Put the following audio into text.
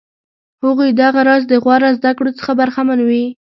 هغوی دغه راز د غوره زده کړو څخه برخمن وي.